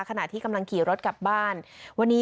ขณะที่กำลังขี่รถกลับบ้าน